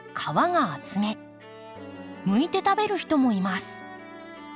むいて食べる人もいます。